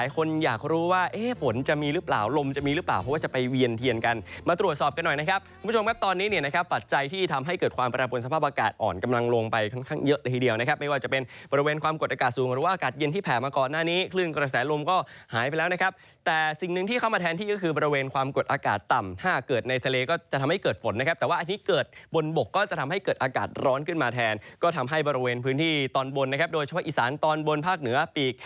คุณผู้ชมครับตอนนี้ปัจจัยที่ทำให้เกิดความประระบวนสภาพอากาศอ่อนกำลังลงไปค่อนข้างเยอะทีเดียวนะครับไม่ว่าจะเป็นบริเวณความกดอากาศสูงหรือว่าอากาศเย็นที่แผ่มาก่อนหน้านี้คลื่นกระแสลมก็หายไปแล้วนะครับแต่สิ่งหนึ่งที่เข้ามาแทนที่ก็คือบริเวณความกดอากาศต่ำถ้าเกิดในทะเลก็จะทำให้เ